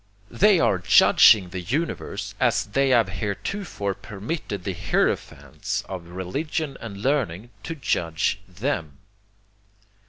They are judging the universe as they have heretofore permitted the hierophants of religion and learning to judge THEM.